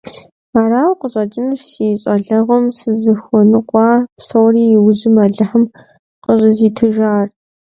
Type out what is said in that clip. Арауэ къыщӀэкӀынущ си щӀалэгъуэм сызыхуэныкъуа псори иужьым Алыхьым къыщӀызитыжар.